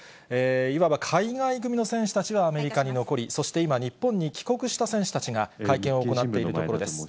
いわば海外組の選手たちはアメリカに残り、そして今、日本に帰国した選手たちが会見を行っているところです。